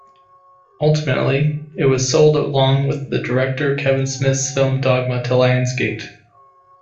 Ultimately, it was sold along with director Kevin Smith's film "Dogma" to Lionsgate.